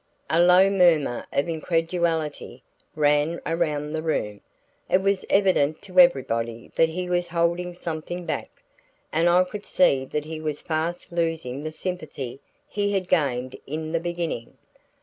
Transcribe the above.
A low murmur of incredulity ran around the room. It was evident to everyone that he was holding something back, and I could see that he was fast losing the sympathy he had gained in the beginning.